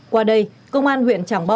qua đây công an huyện tràng bom